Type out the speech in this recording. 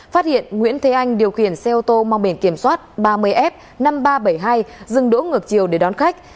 phát hiện nguyễn thế anh điều khiển xe ô tô mang biển kiểm soát ba mươi f năm nghìn ba trăm bảy mươi hai dừng đỗ ngược chiều để đón khách